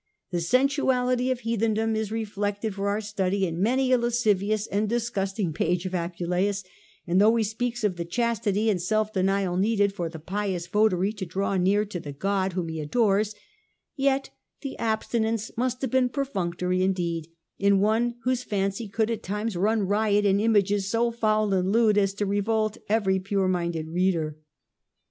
The sensuality of heathendom is reflected for our study in many a lascivious and disgusting page of Apuleius ; and though he speaks of the chastity and self denial needed for the pious votary to draw near to the God whom he adores, yet the abstinence must have been perfunctory indeed in one whose fancy could at times run riot in images so foul and lewd as to revolt every pure minded reader.